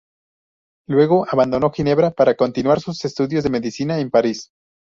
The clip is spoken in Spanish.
Luego abandonó Ginebra para continuar sus estudios de medicina en París.